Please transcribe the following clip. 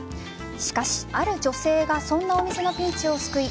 しかし、ある女性がそんなお店のピンチを救い